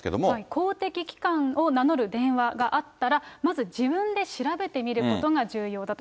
公的機関を名乗る電話があったら、まず自分で調べてみることが重要だと。